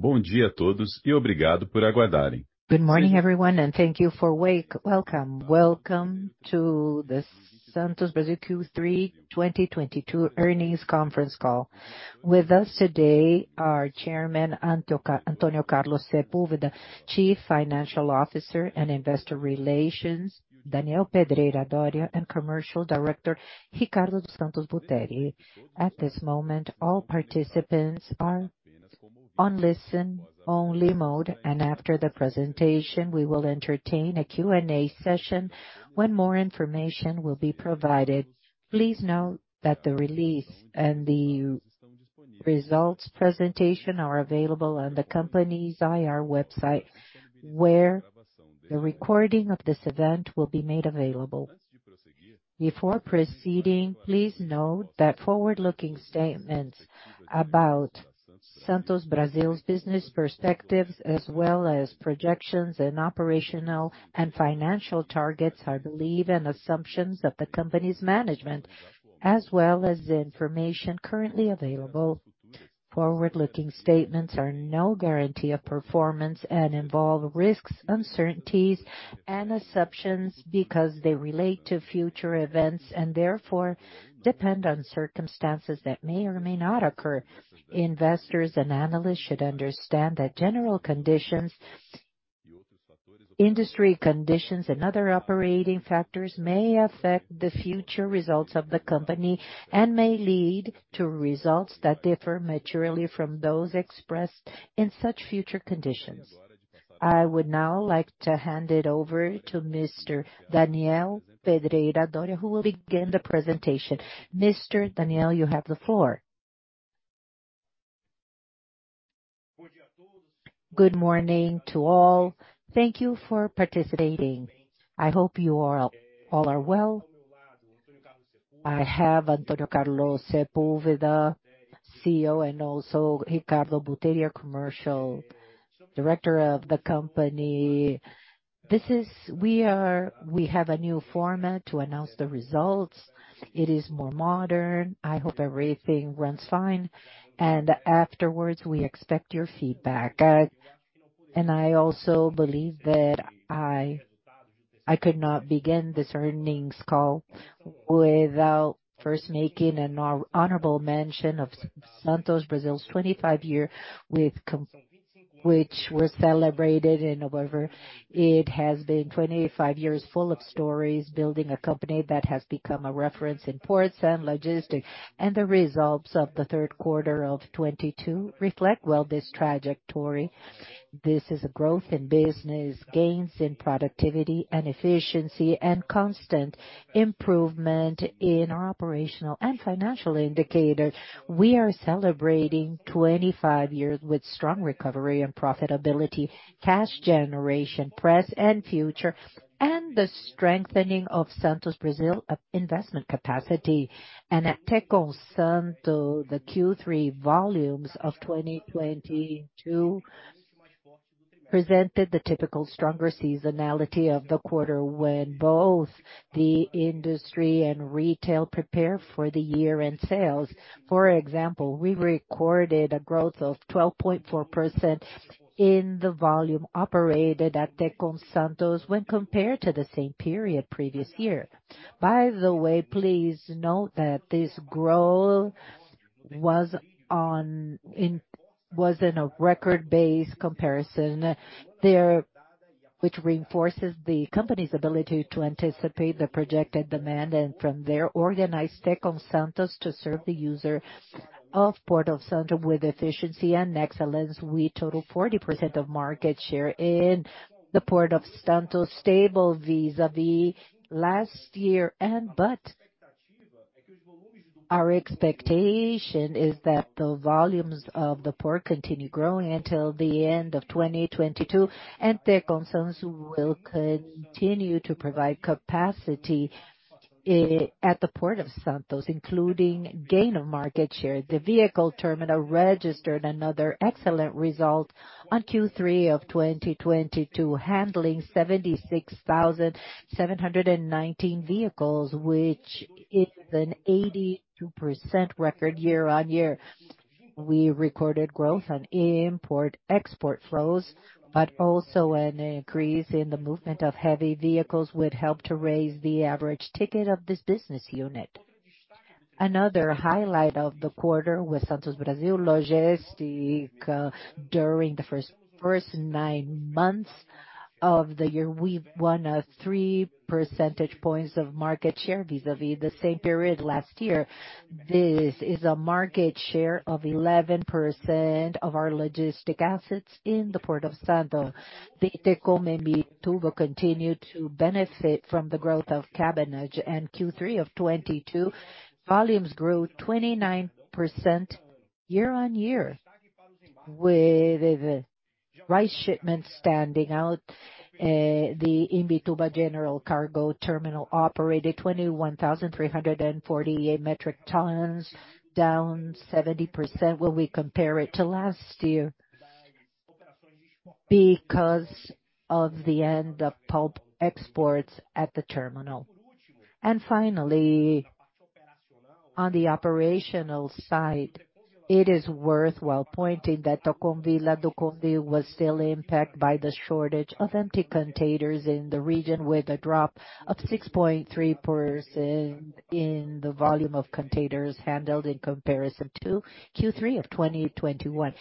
Good day everyone, and thank you for waiting. Welcome to the Santos Brasil Q3 2022 earnings conference call. With us today are Chairman Antônio Carlos Sepúlveda, Chief Financial Officer and Investor Relations Daniel Pedreira Dorea, and Commercial Director Ricardo dos Santos Buteri. At this moment, all participants are on listen-only mode. After the presentation, we will entertain a Q&A session when more information will be provided. Please note that the release and the results presentation are available on the company's IR website, where the recording of this event will be made available. Before proceeding, please note that forward-looking statements about Santos Brasil's business perspectives, as well as projections and operational and financial targets are beliefs and assumptions of the company's management, as well as the information currently available. Forward-looking statements are no guarantee of performance and involve risks, uncertainties, and assumptions because they relate to future events and therefore depend on circumstances that may or may not occur. Investors and analysts should understand that general conditions, industry conditions and other operating factors may affect the future results of the company and may lead to results that differ materially from those expressed in such future conditions. I would now like to hand it over to Mr. Daniel Pedreira Dorea, who will begin the presentation. Mr. Daniel, you have the floor. Good morning to all. Thank you for participating. I hope you all are well. I have Antônio Carlos Sepúlveda, CEO, and also Ricardo dos Santos Buteri, Commercial Director of the company. We have a new format to announce the results. It is more modern. I hope everything runs fine, and afterwards we expect your feedback. I also believe that I could not begin this earnings call without first making an honorable mention of Santos Brasil's 25 years which were celebrated in November. It has been 25 years full of stories, building a company that has become a reference in ports and logistics. The results of the third quarter of 2022 reflect well this trajectory. This is a growth in business, gains in productivity and efficiency, and constant improvement in our operational and financial indicators. We are celebrating 25 years with strong recovery and profitability, cash generation, present and future, and the strengthening of Santos Brasil investment capacity. At Tecon Santos, the Q3 volumes of 2022 presented the typical stronger seasonality of the quarter when both the industry and retail prepare for the year-end sales. For example, we recorded a growth of 12.4% in the volume operated at Tecon Santos when compared to the same period previous year. By the way, please note that this growth was in a record-based comparison there, which reinforces the company's ability to anticipate the projected demand and from there organize Tecon Santos to serve the user of Port of Santos with efficiency and excellence. We total 40% of market share in the Port of Santos, stable vis-à-vis last year. Our expectation is that the volumes of the port continue growing until the end of 2022, and Tecon Santos will continue to provide capacity at the Port of Santos, including gain of market share. The vehicle terminal registered another excellent result in Q3 of 2022, handling 76,719 vehicles, which is an 82% record year-on-year. We recorded growth on import-export flows, but also an increase in the movement of heavy vehicles would help to raise the average ticket of this business unit. Another highlight of the quarter with Santos Brasil Logística, during the first nine months of the year, we won three percentage points of market share vis-à-vis the same period last year. This is a market share of 11% of our logistic assets in the Port of Santos. The Tecon Imbituba continued to benefit from the growth of cabotage. In Q3 of 2022, volumes grew 29% year-on-year, with rice shipments standing out. The Imbituba general cargo terminal operated 21,348 metric tons, down 70% when we compare it to last year because of the end of pulp exports at the terminal. Finally, on the operational side, it is worthwhile pointing out that Tecon Vila do Conde was still impacted by the shortage of empty containers in the region, with a drop of 6.3% in the volume of containers handled in comparison to Q3 of 2021.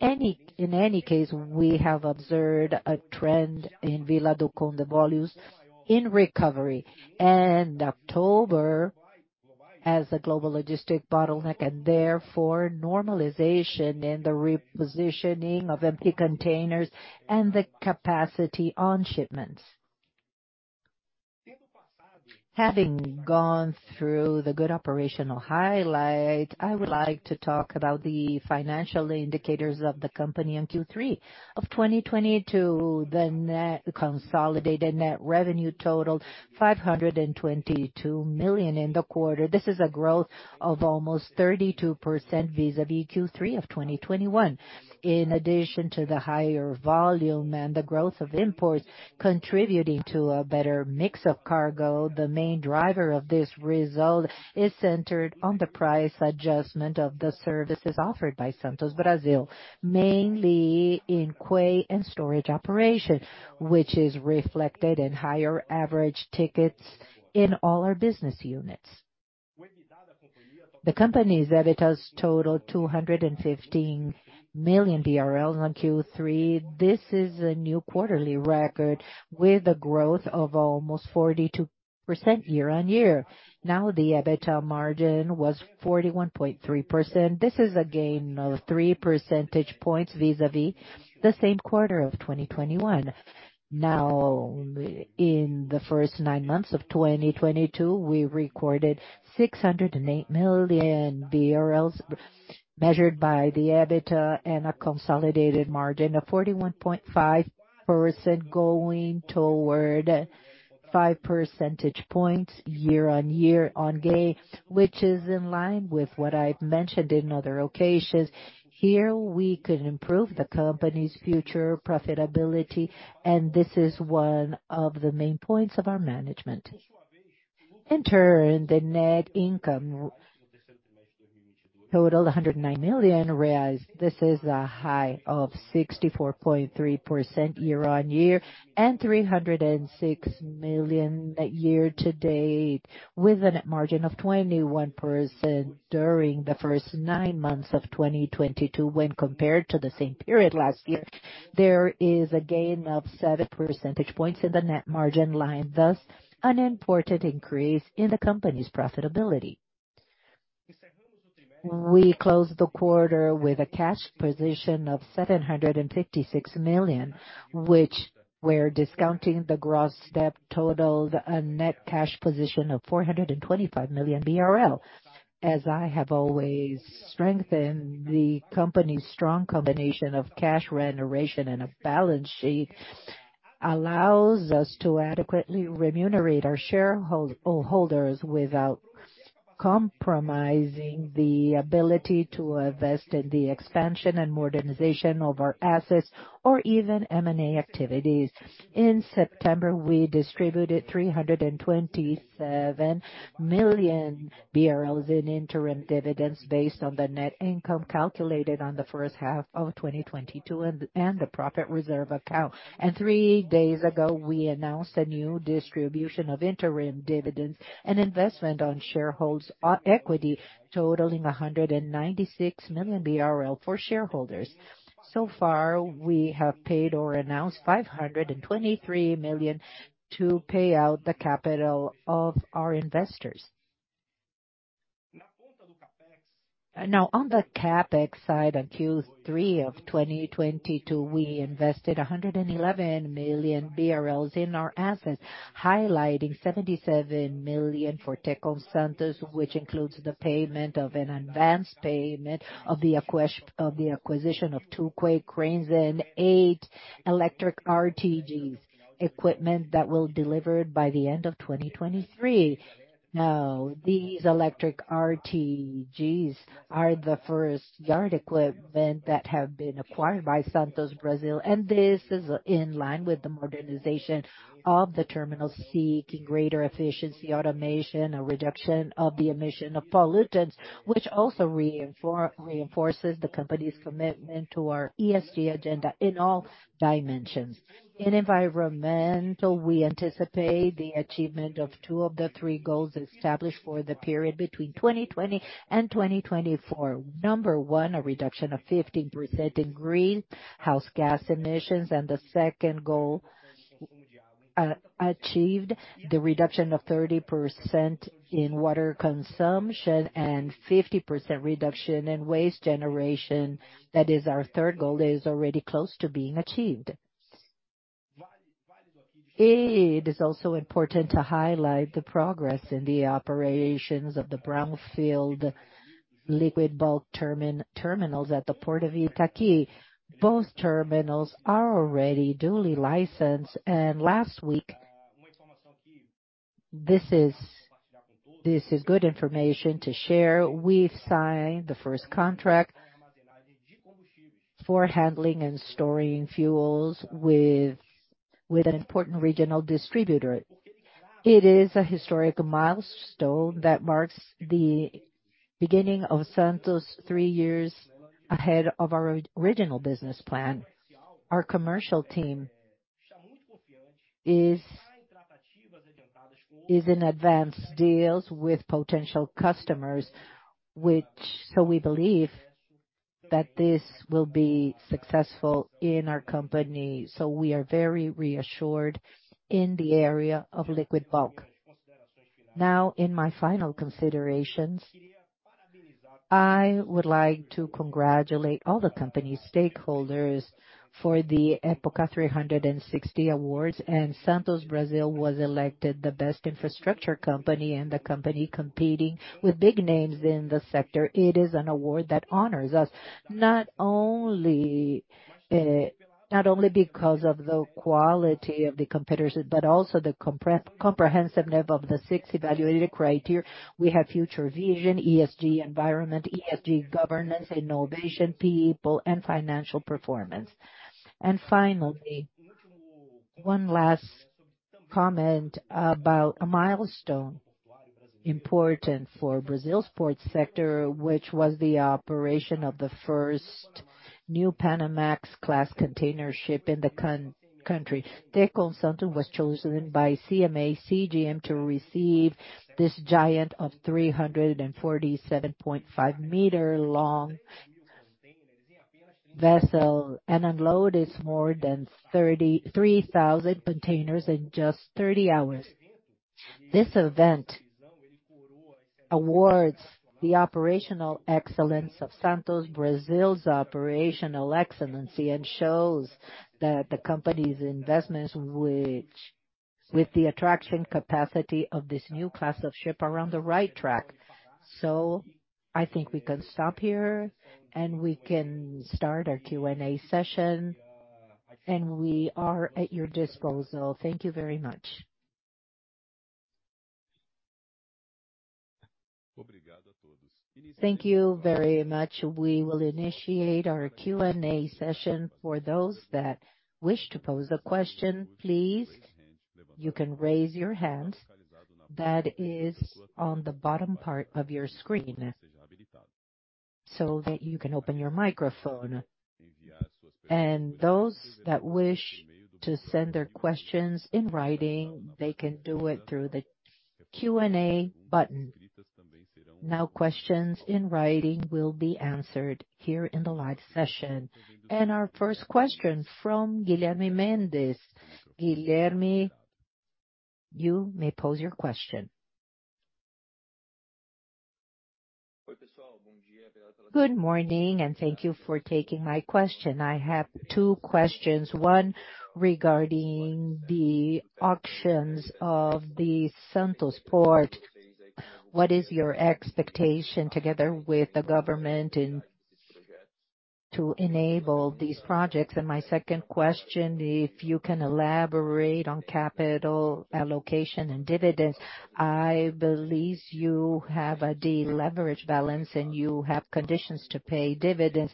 In any case, we have observed a trend in Vila do Conde volumes in recovery in October as a global logistics bottleneck, and therefore normalization in the repositioning of empty containers and the capacity on shipments. Having gone through the good operational highlight, I would like to talk about the financial indicators of the company in Q3 of 2022. Consolidated net revenue totaled 522 million in the quarter. This is a growth of almost 32% vis-à-vis Q3 of 2021. In addition to the higher volume and the growth of imports contributing to a better mix of cargo, the main driver of this result is centered on the price adjustment of the services offered by Santos Brasil, mainly in quay and storage operation, which is reflected in higher average tickets in all our business units. The company's EBITDA totaled 215 million BRL on Q3. This is a new quarterly record with a growth of almost 42% year-on-year. Now, the EBITDA margin was 41.3%. This is a gain of three percentage points vis-à-vis the same quarter of 2021. Now, in the first 9 months of 2022, we recorded 608 million BRL measured by the EBITDA and a consolidated margin of 41.5%, a gain of 5 percentage points year-on-year, which is in line with what I've mentioned in other occasions. Here, we could improve the company's future profitability, and this is one of the main points of our management. In turn, the net income totaled 109 million reais. This is a gain of 64.3% year-on-year, and 306 million year-to-date, with a net margin of 21% during the first 9 months of 2022 when compared to the same period last year. There is a gain of 7 percentage points in the net margin line, thus an important increase in the company's profitability. We closed the quarter with a cash position of 756 million, which, when discounting the gross debt, totaled a net cash position of 425 million BRL. As I have always stressed, the company's strong combination of cash generation and a balance sheet allows us to adequately remunerate our shareholders without compromising the ability to invest in the expansion and modernization of our assets or even M&A activities. In September, we distributed 327 million BRL in interim dividends based on the net income calculated on the first half of 2022 and the profit reserve account. Three days ago, we announced a new distribution of interim dividends and interest on shareholders' equity totaling 196 million BRL for shareholders. So far, we have paid or announced 523 million to pay out the capital of our investors. Now, on the CapEx side, on Q3 of 2022, we invested 111 million BRL in our assets, highlighting 77 million for Tecon Santos, which includes the payment of an advanced payment of the acquisition of 2 quay cranes and 8 electric RTGs, equipment that will be delivered by the end of 2023. Now, these electric RTGs are the first yard equipment that have been acquired by Santos Brasil, and this is in line with the modernization of the terminal seeking greater efficiency, automation, a reduction of the emission of pollutants, which also reinforces the company's commitment to our ESG agenda in all dimensions. In environmental, we anticipate the achievement of two of the three goals established for the period between 2020 and 2024. Number one, a reduction of 15% in greenhouse gas emissions. The second goal, achieved the reduction of 30% in water consumption and 50% reduction in waste generation. That is our third goal, that is already close to being achieved. It is also important to highlight the progress in the operations of the brownfield liquid bulk terminals at the Port of Itaqui. Both terminals are already duly licensed, and last week. This is good information to share. We've signed the first contract for handling and storing fuels with an important regional distributor. It is a historic milestone that marks the beginning of Santos three years ahead of our original business plan. Our commercial team is in advanced deals with potential customers, which so we believe that this will be successful in our company. We are very reassured in the area of liquid bulk. Now in my final considerations, I would like to congratulate all the company stakeholders for the Época Negócios 360° Awards. Santos Brasil was elected the best infrastructure company and the company competing with big names in the sector. It is an award that honors us, not only because of the quality of the competitors, but also the comprehensiveness of the six evaluated criteria. We have future vision, ESG environment, ESG governance, innovation, people, and financial performance. Finally, one last comment about a milestone important for Brazil ports sector, which was the operation of the first Neo-Panamax-class container ship in the country. Tecon Santos was chosen by CMA CGM to receive this giant of 347.5m-long vessel and unload its more than 33,000 containers in just 30 hours. This event awards the operational excellence of Santos Brasil's operational excellence and shows that the company's investments with the attraction capacity of this new class of ship are on the right track. I think we can stop here, and we can start our Q&A session, and we are at your disposal. Thank you very much. Thank you very much. We will initiate our Q&A session. For those that wish to pose a question, please, you can raise your hands. That is on the bottom part of your screen, so that you can open your microphone. Those that wish to send their questions in writing, they can do it through the Q&A button. Now, questions in writing will be answered here in the live session. Our first question from Guilherme Mendes. Guilherme, you may pose your question. Good morning, and thank you for taking my question. I have two questions. One regarding the auctions of the Santos port. What is your expectation together with the government to enable these projects? My second question, if you can elaborate on capital allocation and dividends. I believe you have a deleverage balance, and you have conditions to pay dividends.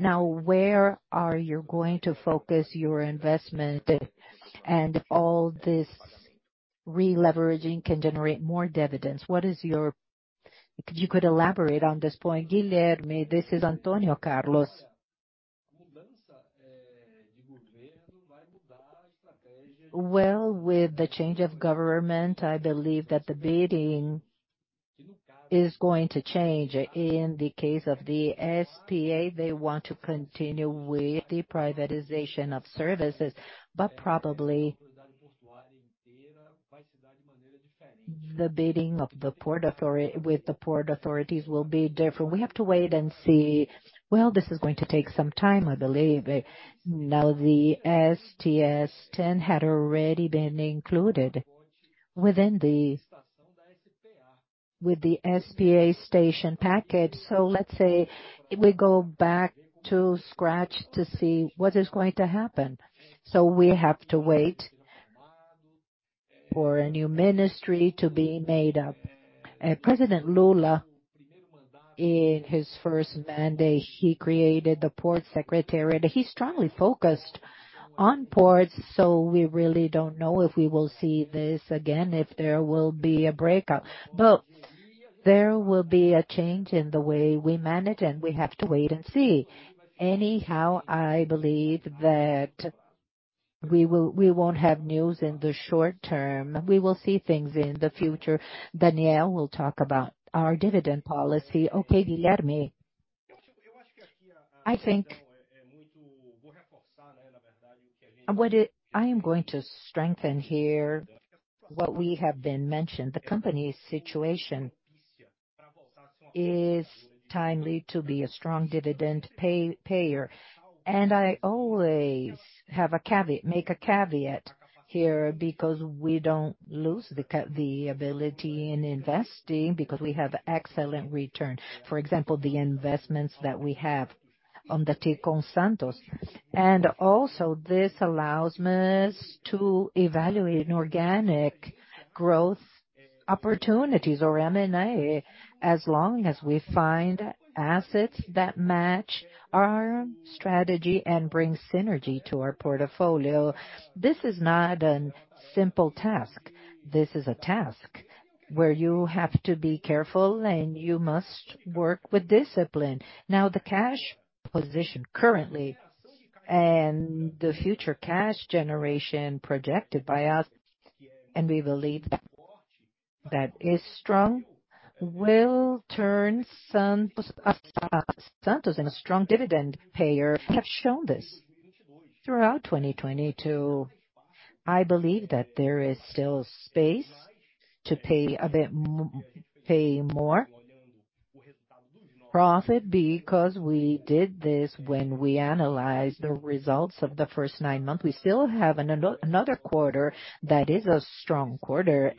Now, where are you going to focus your investment and all this releveraging can generate more dividends? If you could elaborate on this point. Guilherme, this is Antônio Carlos. Well, with the change of government, I believe that the bidding is going to change. In the case of the SPA, they want to continue with the privatization of services. Probably, the bidding with the port authorities will be different. We have to wait and see. Well, this is going to take some time, I believe. Now, the STS10 had already been included within the with the SPA station package. Let's say we go back to scratch to see what is going to happen. We have to wait for a new ministry to be made up. President Lula, in his first mandate, he created the Special Secretariat for Ports. He strongly focused on ports, so we really don't know if we will see this again, if there will be a breakout. There will be a change in the way we manage, and we have to wait and see. Anyhow, I believe that we won't have news in the short term. We will see things in the future. Daniel will talk about our dividend policy. Okay, Guilherme. I think I am going to strengthen here what we have been mentioned. The company's situation is timely to be a strong dividend payer. I always make a caveat here because we don't lose the ability in investing because we have excellent return. For example, the investments that we have on the Tecon Santos. Also, this allows us to evaluate an organic growth opportunities or M&A, as long as we find assets that match our strategy and bring synergy to our portfolio. This is not a simple task. This is a task where you have to be careful and you must work with discipline. Now, the cash position currently and the future cash generation projected by us, and we believe that is strong, will turn Santos into a strong dividend payer, have shown this throughout 2022. I believe that there is still space to pay a bit more profit, because we did this when we analyzed the results of the first nine months. We still have another quarter that is a strong quarter.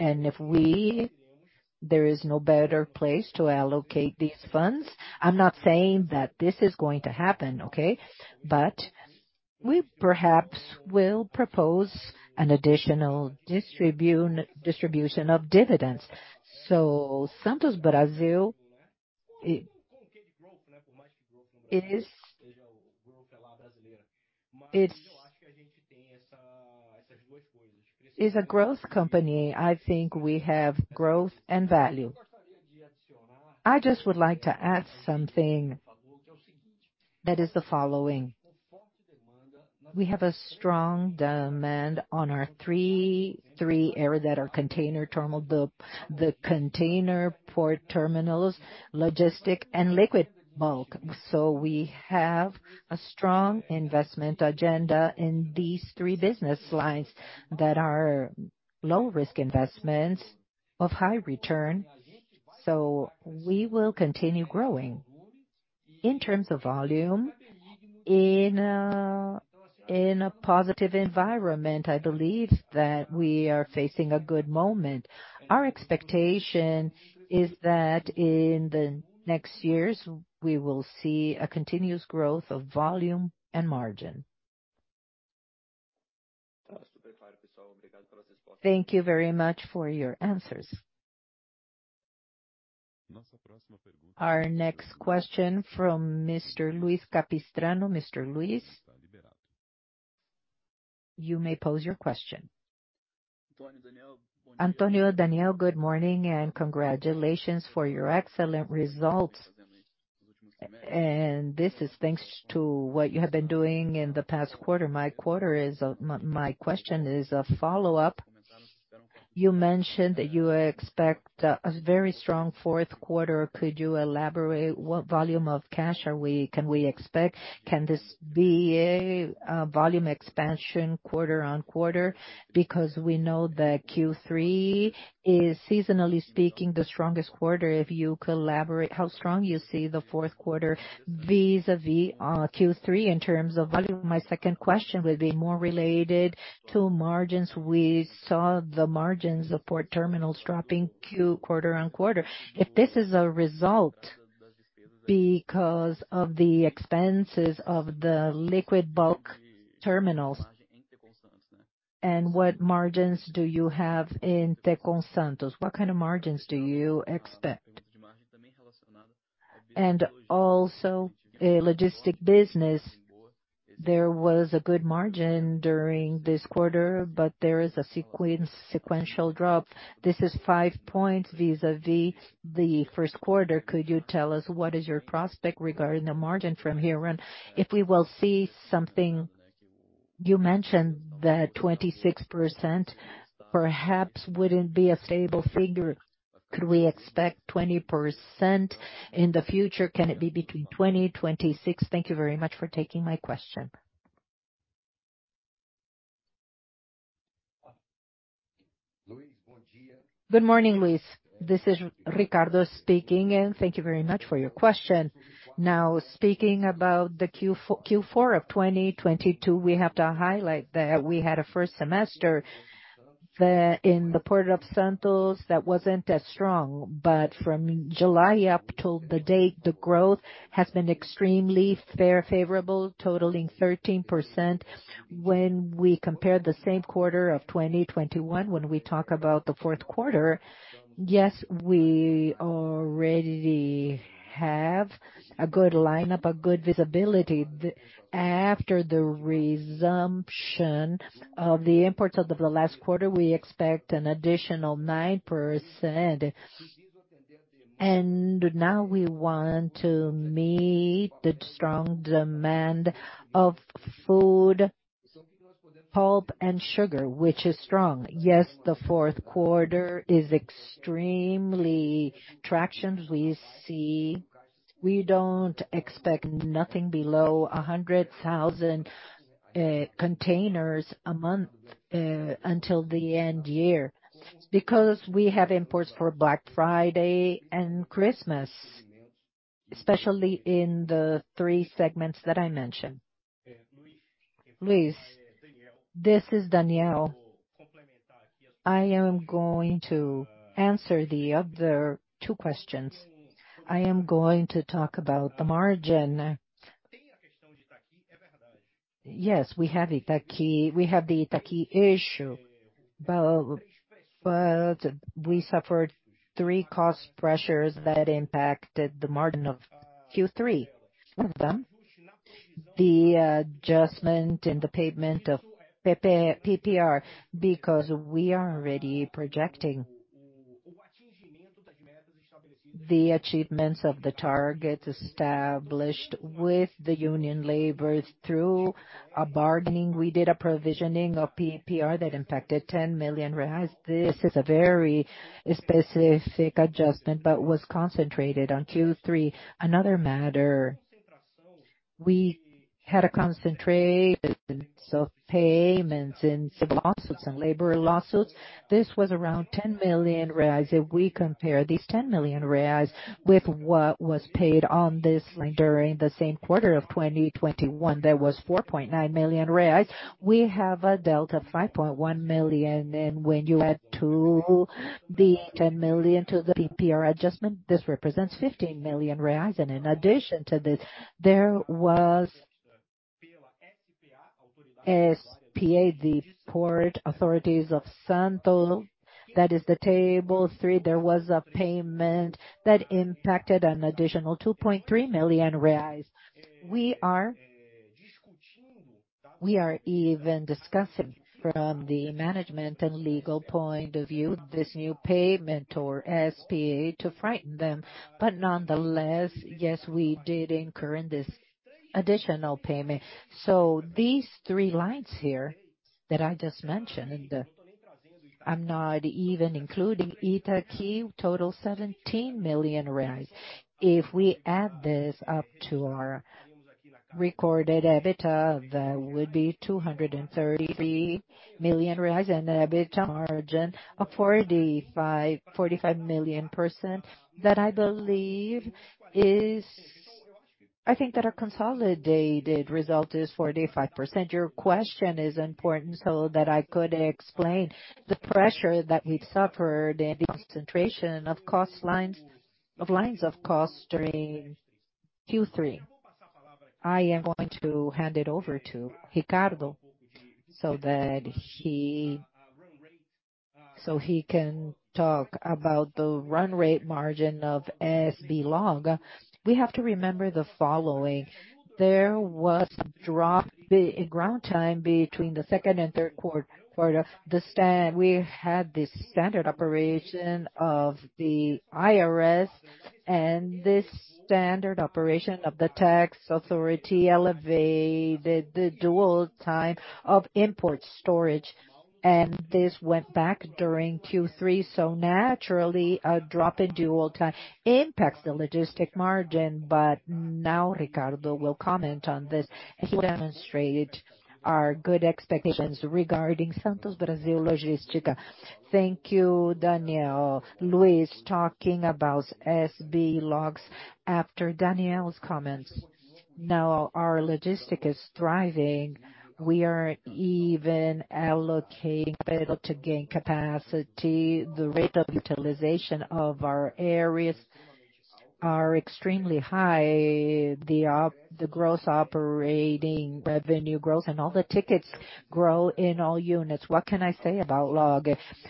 There is no better place to allocate these funds. I'm not saying that this is going to happen, okay? We perhaps will propose an additional distribution of dividends. Santos Brasil, it is. It's a growth company. I think we have growth and value. I just would like to add something that is the following: We have a strong demand on our three areas that are container port terminals, logistics and liquid bulk. We have a strong investment agenda in these three business lines that are low-risk investments of high return. We will continue growing. In terms of volume, in a positive environment, I believe that we are facing a good moment. Our expectation is that in the next years, we will see a continuous growth of volume and margin. Thank you very much for your answers. Our next question from Mr. Luiz Capistrano. Mr. Luiz, you may pose your question. Antônio, Daniel, good morning, and congratulations for your excellent results. This is thanks to what you have been doing in the past quarter. My question is a follow-up. You mentioned that you expect a very strong fourth quarter. Could you elaborate what volume of cash can we expect? Can this be a volume expansion quarter on quarter? Because we know that Q3 is, seasonally speaking, the strongest quarter. If you elaborate how strong you see the fourth quarter vis-a-vis Q3 in terms of volume. My second question will be more related to margins. We saw the margins of port terminals dropping quarter-on-quarter. Is this a result because of the expenses of the liquid bulk terminals, and what margins do you have in Tecon Santos? What kind of margins do you expect? Also a logistic business. There was a good margin during this quarter, but there is a sequential drop. This is 5 points vis-à-vis the first quarter. Could you tell us what is your prospect regarding the margin from here on? If we will see something. You mentioned that 26% perhaps wouldn't be a stable figure. Could we expect 20% in the future? Can it be between 20%-26%? Thank you very much for taking my question. Good morning, Luiz. This is Ricardo dos Santos Buteri speaking, and thank you very much for your question. Now, speaking about the Q4 of 2022, we have to highlight that we had a first semester in the Port of Santos that wasn't as strong. From July up till the date, the growth has been extremely favorable, totaling 13%. When we compare the same quarter of 2021, when we talk about the fourth quarter, yes, we already have a good lineup, a good visibility. After the resumption of the imports of the last quarter, we expect an additional 9%. Now we want to meet the strong demand of food, pulp and sugar, which is strong. Yes, the fourth quarter is extremely attractive. We don't expect nothing below 100,000 containers a month until the end year, because we have imports for Black Friday and Christmas, especially in the three segments that I mentioned. Luiz, this is Daniel. I am going to answer the other two questions. I am going to talk about the margin. Yes, we have the Itaqui issue. But we suffered three cost pressures that impacted the margin of Q3. One of them, the adjustment and the payment of PPR, because we are already projecting the achievements of the targets established with the union labors through a bargaining. We did a provisioning of PPR that impacted 10 million reais. This is a very specific adjustment, but was concentrated on Q3. Another matter, we had a concentration of payments in civil lawsuits and labor lawsuits. This was around 10 million reais. If we compare these 10 million reais with what was paid on this during the same quarter of 2021, that was 4.9 million reais. We have a delta of 5.1 million. When you add to the ten million to the PPR adjustment, this represents 15 million reais. In addition to this, there was SPA, the Port Authorities of Santos, that is Tabela III. There was a payment that impacted an additional 2.3 million reais. We are even discussing from the management and legal point of view, this new payment or SPA to frighten them. Nonetheless, yes, we did incur in this additional payment. These three lines here that I just mentioned, and I'm not even including Itaqui, total 17 million. If we add this up to our recorded EBITDA, that would be 230 million and EBITDA margin of 45 million percent. I think that our consolidated result is 45%. Your question is important so that I could explain the pressure that we've suffered and the concentration of lines of cost during Q3. I am going to hand it over to Ricardo so that he can talk about the run rate margin of SBLOG. We have to remember the following: There was a drop in dwell time between the second and third quarter. We had this standard operation of the Receita Federal, and this standard operation of the tax authority elevated the dwell time of import storage. This went back during Q3. Naturally, a drop in dwell time impacts the logistics margin. Now Ricardo will comment on this. He will demonstrate our good expectations regarding Santos Brasil Logística. Thank you, Daniel. Luiz talking about SBLOGs after Daniel's comments. Now our logistics is thriving. We are even allocating capital to gain capacity. The rate of utilization of our areas are extremely high. The gross operating revenue growth and all the tickets grow in all units. What can I say about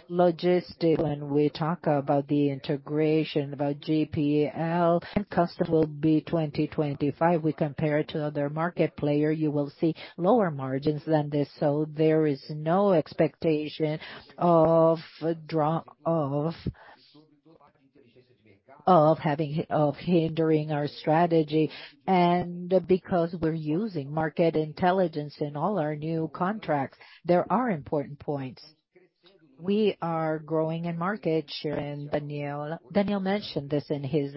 logistics when we talk about the integration, about CLIA and customs will be 2025. We compare it to other market player, you will see lower margins than this. There is no expectation of drop off, of hindering our strategy. Because we're using market intelligence in all our new contracts, there are important points. We are growing in market share, and Daniel mentioned this in his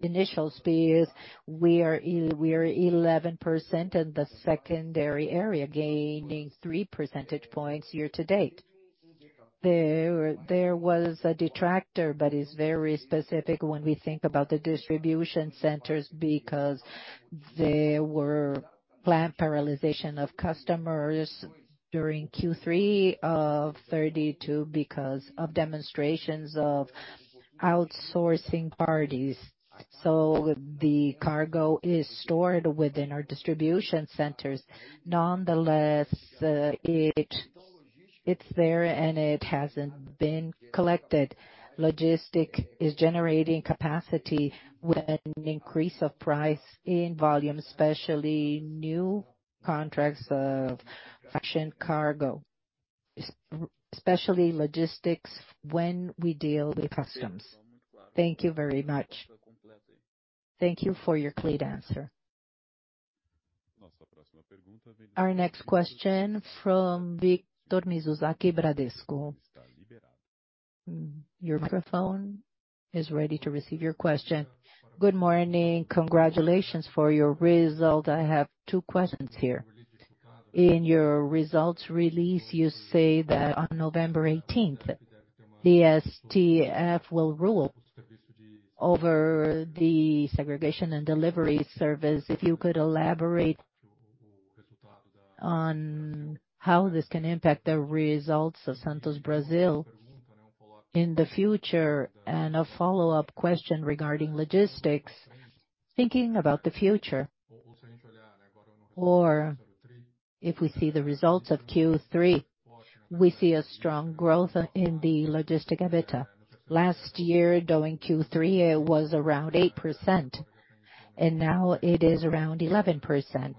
initial speech. We are 11% in the secondary area, gaining three percentage points year-to-date. There was a detractor, but it's very specific when we think about the distribution centers because there were plant paralyzation of customers during Q3 2023 because of demonstrations of outsourcing parties. The cargo is stored within our distribution centers. Nonetheless, it's there and it hasn't been collected. Logistics is generating capacity with an increase of price in volume, especially new contracts of ocean cargo, especially logistics when we deal with customs. Thank you very much. Thank you for your clear answer. Our next question from Victor Mizusaki, Bradesco. Your microphone is ready to receive your question. Good morning. Congratulations for your result. I have two questions here. In your results release, you say that on November eighteenth, the STF will rule over the segregation and delivery service. If you could elaborate on how this can impact the results of Santos Brasil in the future, and a follow-up question regarding logistics. Thinking about the future or if we see the results of Q3, we see a strong growth in the logistics EBITDA. Last year during Q3, it was around 8%, and now it is around 11%.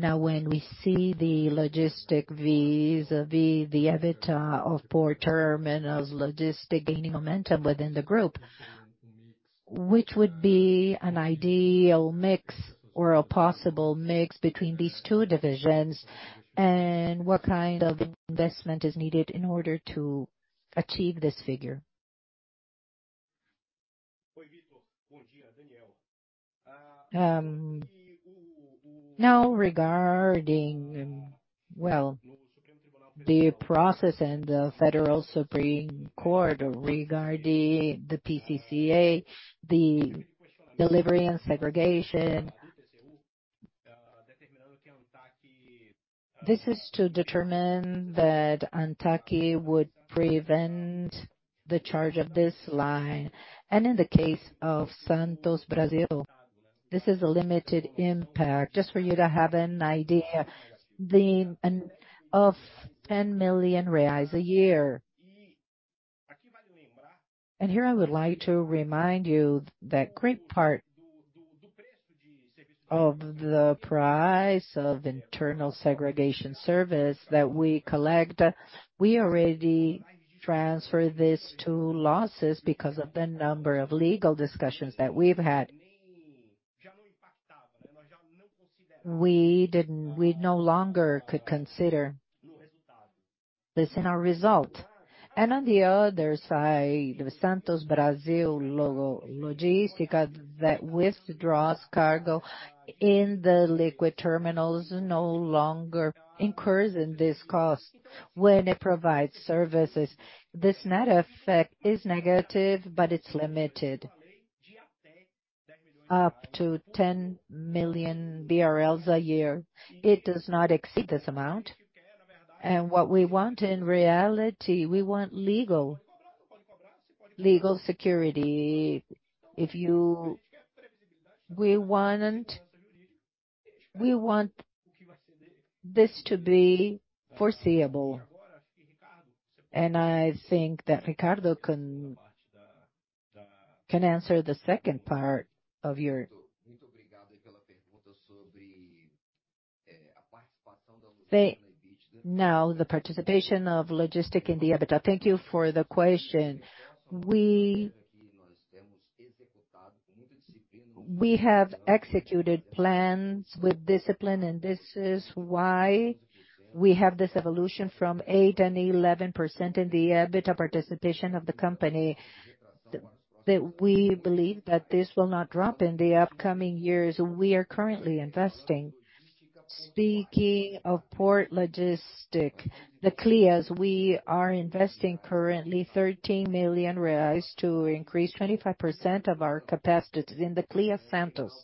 Now, when we see the logistics vis-à-vis the EBITDA of port terminal logistics gaining momentum within the group, which would be an ideal mix or a possible mix between these two divisions, and what kind of investment is needed in order to achieve this figure? Now regarding the process and the STF regarding the PCCA, the delivery and segregation. This is to determine that ANTAQ would prevent the charge of this line. In the case of Santos Brasil, this is a limited impact, just for you to have an idea, of 10 million reais a year. Here I would like to remind you that great part of the price of internal segregation service that we collect, we already transfer this to losses because of the number of legal discussions that we've had. We no longer could consider this in our result. On the other side, the Santos Brasil Logística that withdraws cargo in the liquid bulk terminals no longer incurs in this cost when it provides services. This net effect is negative, but it's limited. Up to 10 million BRL a year. It does not exceed this amount. What we want in reality, we want legal security. We want this to be foreseeable. I think that Ricardo can answer the second part of your question. The participation of logistics in the EBITDA. Thank you for the question. We have executed plans with discipline, and this is why we have this evolution from 8% and 11% in the EBITDA participation of the company, that we believe that this will not drop in the upcoming years. We are currently investing. Speaking of port logistics, the CLIAs, we are investing currently 13 million reais to increase 25% of our capacities in the CLIA Santos.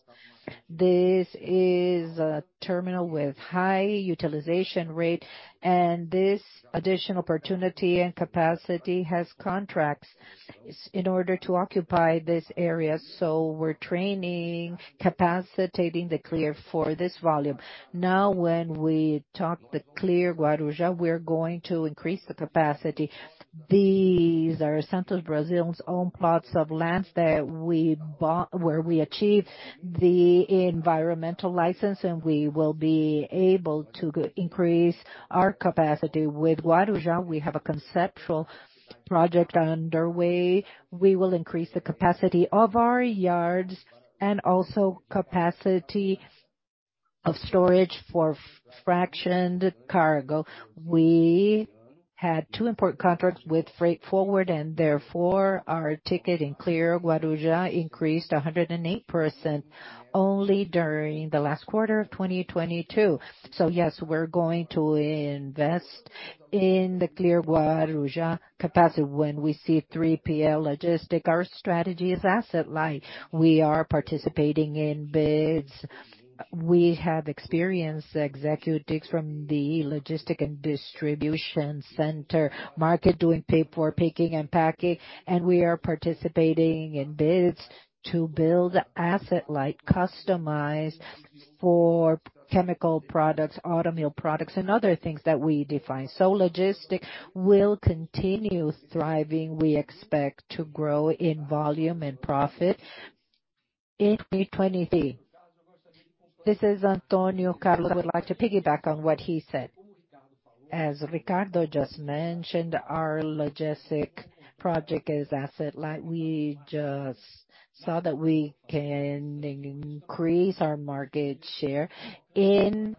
This is a terminal with high utilization rate, and this additional opportunity and capacity has contracts in order to occupy this area. We're training, capacitating the CLIA for this volume. Now, when we talk about the CLIA Guarujá, we're going to increase the capacity. These are Santos Brasil's own plots of land where we achieve the environmental license, and we will be able to increase our capacity. With Guarujá, we have a conceptual project underway. We will increase the capacity of our yards and also capacity of storage for fractioned cargo. We had two important contracts with freight forwarders, and therefore, our throughput in CLIA Guarujá increased 108% only during the last quarter of 2022. Yes, we're going to invest in the CLIA Guarujá capacity. When we see 3PL logistics, our strategy is asset-light. We are participating in bids. We have experienced executives from the logistics and distribution center market doing pick and pack, and we are participating in bids to build asset-light customized for chemical products, automotive products, and other things that we define. Logistics will continue thriving. We expect to grow in volume and profit in 2023. This is Antônio Carlos. I would like to piggyback on what he said. As Ricardo just mentioned, our logistics project is asset light. We just saw that we can increase our market share in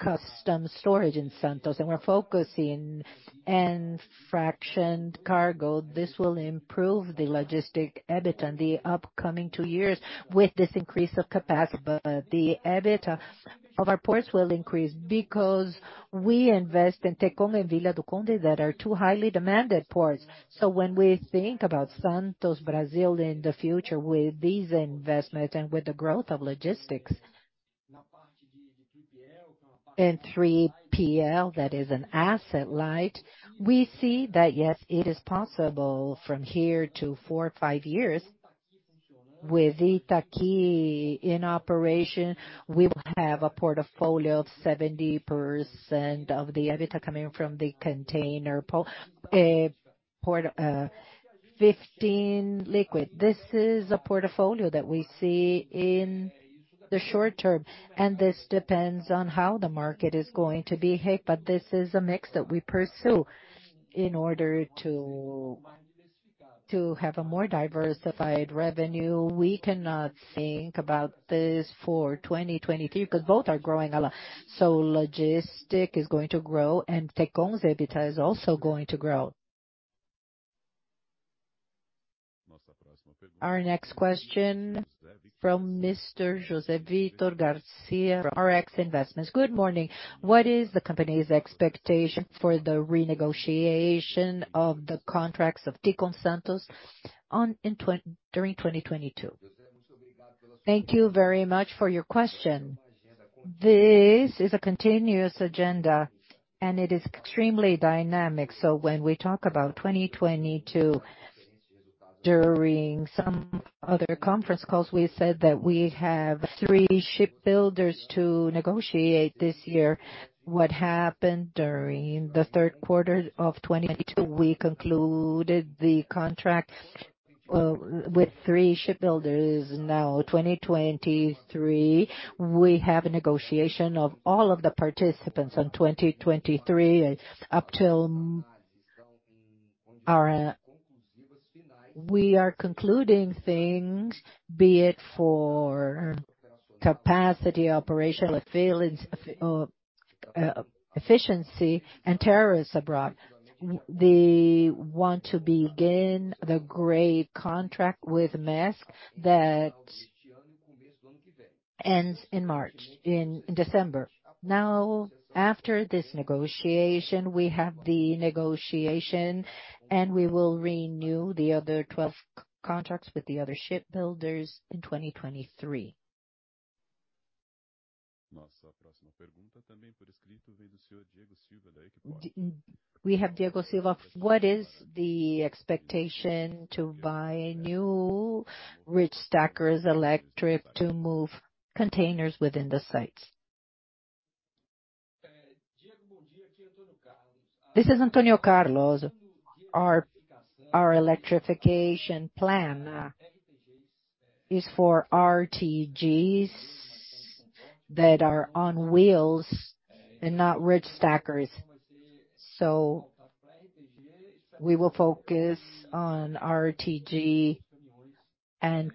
customs storage in Santos, and we're focusing in fractioned cargo. This will improve the logistics EBITDA in the upcoming two years. With this increase of capacity, the EBITDA of our ports will increase because we invest in Tecon Vila do Conde that are two highly demanded ports. When we think about Santos Brasil in the future with these investments and with the growth of logistics and 3PL that is an asset light. We see that yes, it is possible from here to 4 or 5 years with Itaqui in operation, we will have a portfolio of 70% of the EBITDA coming from the container port, 15 liquid. This is a portfolio that we see in the short term, and this depends on how the market is going to behave. This is a mix that we pursue in order to have a more diversified revenue. We cannot think about this for 2023 because both are growing a lot. Logistics is going to grow and Tecon's EBITDA is also going to grow. Our next question from Mr. José Victor Garcia from RX Investments. Good morning. What is the company's expectation for the renegotiation of the contracts of Tecon Santos during 2022? Thank you very much for your question. This is a continuous agenda, and it is extremely dynamic. When we talk about 2022, during some other conference calls, we said that we have three shipowners to negotiate this year. What happened during the third quarter of 2022, we concluded the contract with three shipowners. Now 2023, we have a negotiation of all of the participants on 2023. Up till now. We are concluding things, be it for capacity, operational efficiency and tariffs abroad. We want to begin the contract with Maersk that ends in December. After this negotiation, we have the negotiation, and we will renew the other 12 contracts with the other shipbuilders in 2023. We have Diego Silva. What is the expectation to buy new electric reach stackers to move containers within the sites? This is Antônio Carlos. Our electrification plan is for RTGs that are on wheels and not reach stackers. We will focus on RTGs and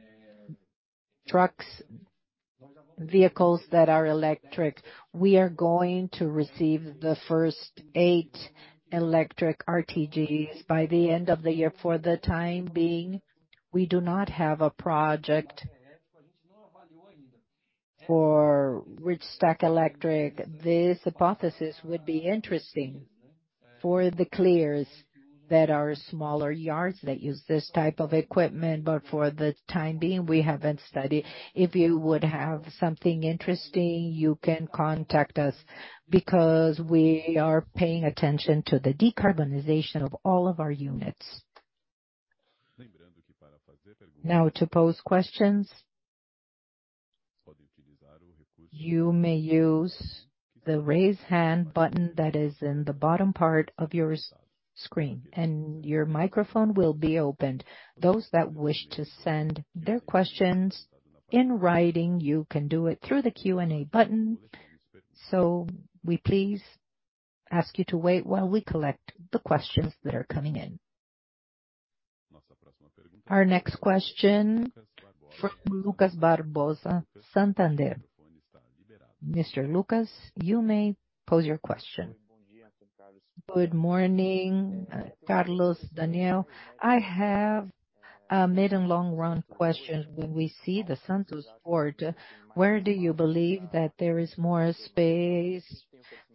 trucks, vehicles that are electric. We are going to receive the first 8 electric RTGs by the end of the year. For the time being, we do not have a project for electric reach stackers. This hypothesis would be interesting for the CLIAs that are smaller yards that use this type of equipment, but for the time being, we haven't studied. If you would have something interesting, you can contact us because we are paying attention to the decarbonization of all of our units. Now to pose questions, you may use the Raise Hand button that is in the bottom part of your screen, and your microphone will be opened. Those that wish to send their questions in writing, you can do it through the Q&A button. We please ask you to wait while we collect the questions that are coming in. Our next question from Lucas Barbosa, Santander. Mr. Lucas, you may pose your question. Good morning, Carlos, Daniel. I have a mid and long run question. When we see the Santos port, where do you believe that there is more space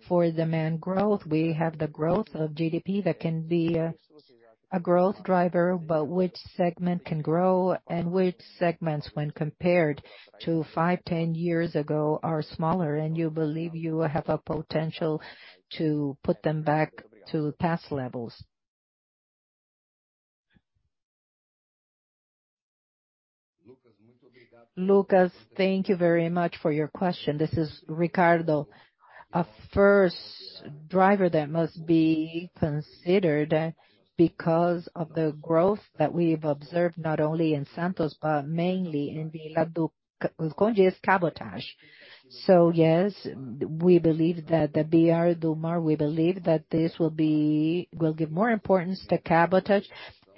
for demand growth? We have the growth of GDP that can be a growth driver, but which segment can grow and which segments when compared to 5, 10 years ago are smaller, and you believe you have a potential to put them back to past levels. Lucas, thank you very much for your question. This is Ricardo. A first driver that must be considered because of the growth that we've observed, not only in Santos, but mainly in Vila do Conde's cabotage. Yes, we believe that the BR do Mar will give more importance to cabotage,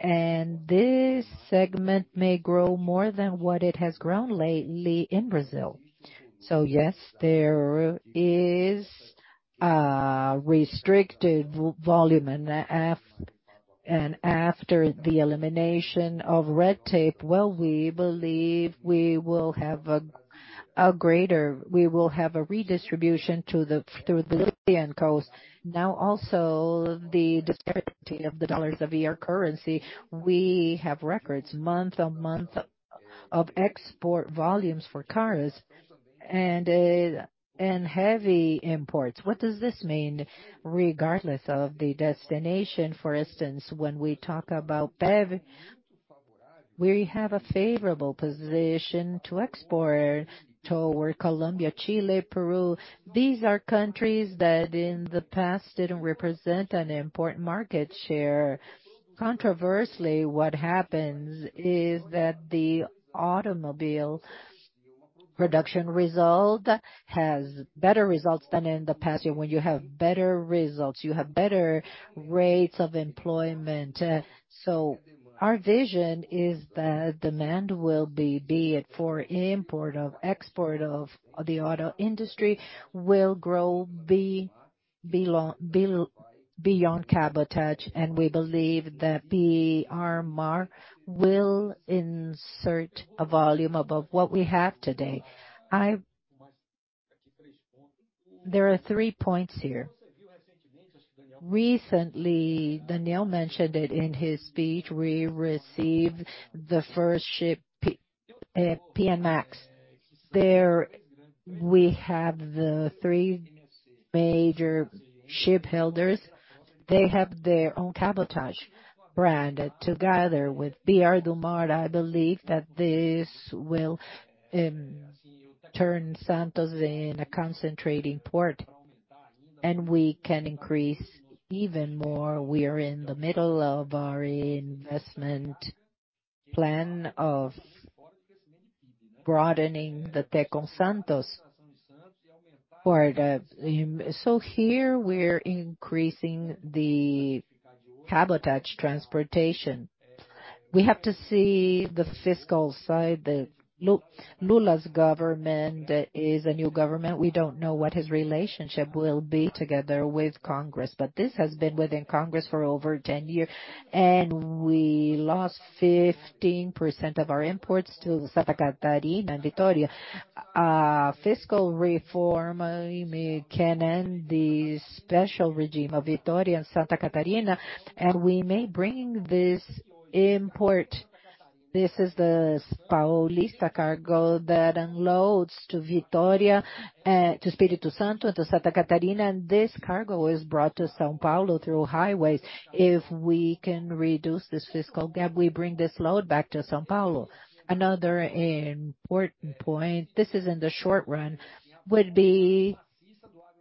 and this segment may grow more than what it has grown lately in Brazil. Yes, there is restricted volume. After the elimination of red tape, well, we believe we will have a greater redistribution through the Brazilian coast. Now, also the disparity of the dollars of your currency, we have record month-on-month of export volumes for cars and heavy imports. What does this mean regardless of the destination? For instance, when we talk about BEV, we have a favorable position to export toward Colombia, Chile, Peru. These are countries that in the past didn't represent an important market share. Conversely, what happens is that the automobile production result has better results than in the past year. When you have better results, you have better rates of employment. So our vision is that demand will be it for import or export of the auto industry, will grow beyond cabotage, and we believe that the BR do Mar will insert a volume above what we have today. There are three points here. Recently, Daniel mentioned it in his speech. We received the first ship, Neo-Panamax. There we have the three major shipbuilders. They have their own cabotage brand. Together with BR do Mar, I believe that this will turn Santos into a concentrating port, and we can increase even more. We are in the middle of our investment plan of broadening the Tecon Santos for the. Here we're increasing the cabotage transportation. We have to see the fiscal side. Lula's government is a new government. We don't know what his relationship will be together with Congress, but this has been within Congress for over 10 years, and we lost 15% of our imports to Santa Catarina and Vitória. Fiscal reform can end the special regime of Vitória and Santa Catarina, and we may bring this import. This is the Paulista cargo that unloads to Vitória, to Espírito Santo, to Santa Catarina, and this cargo is brought to São Paulo through highways. If we can reduce this fiscal gap, we bring this load back to São Paulo. Another important point, this is in the short run, would be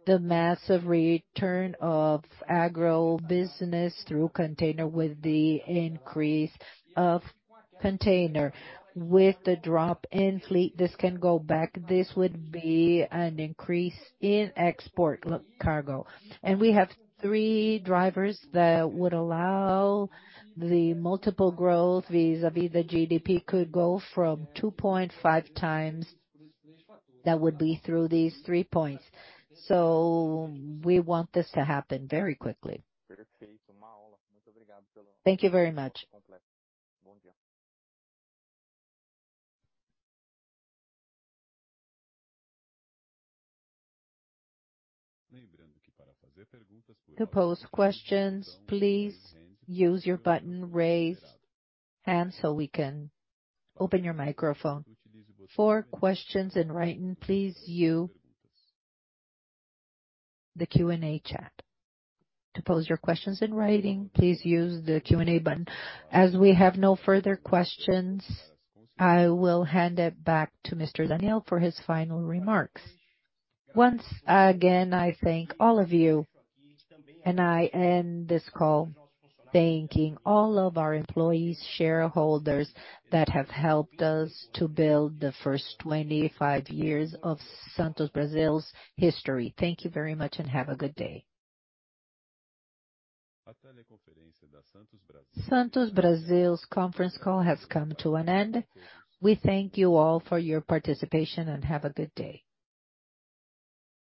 the massive return of agribusiness through container with the increase of container. With the drop in fleet, this can go back. This would be an increase in export cargo. We have three drivers that would allow the multiple growth vis-à-vis the GDP could go from 2.5 times. That would be through these three points. We want this to happen very quickly. Thank you very much. To pose questions, please use your button, raise hand, so we can open your microphone. For questions in written, please use the Q&A chat. To pose your questions in writing, please use the Q&A button. As we have no further questions, I will hand it back to Mr. Daniel for his final remarks. Once again, I thank all of you, and I end this call thanking all of our employees, shareholders that have helped us to build the first 25 years of Santos Brasil's history. Thank you very much and have a good day. Santos Brasil's conference call has come to an end. We thank you all for your participation and have a good day.